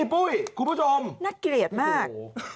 ปุ้ยคุณผู้ชมน่าเกลียดมาก